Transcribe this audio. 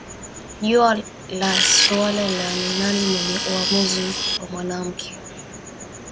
Juu ya suala la ni nani mwenye uwamuzi wa mwanamke